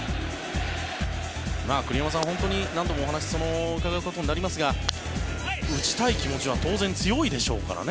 栗山さん、何度もお話を伺うことになりますが打ちたい気持ちは当然強いでしょうからね。